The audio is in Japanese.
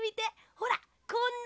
ほらこんなに。